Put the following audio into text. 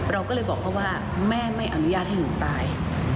เราก็เลยบอกเขาว่าแม่ไม่อนุญาตให้หนูตาย